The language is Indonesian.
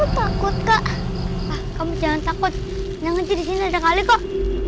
takut kak kamu jangan takut jangan ngenci di sini ada kali kok